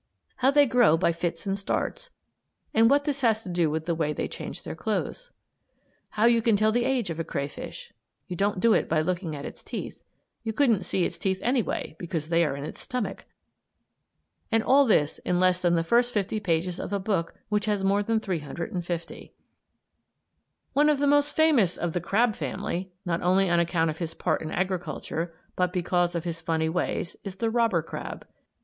How they grow by fits and starts, and what this has to do with the way they change their clothes. How you can tell the age of a crayfish. (You don't do it by looking at its teeth. You couldn't see its teeth anyway, because they are in its stomach.) And all this in less than the first fifty pages of a book, which has more than 350. One of the most famous of the crab family, not only on account of his part in agriculture, but because of his funny ways, is the robber crab.